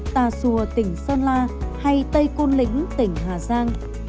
tà xùa tỉnh sơn la hay tây côn lĩnh tỉnh hà giang